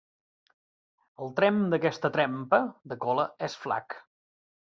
El tremp d'aquesta trempa de cola és flac.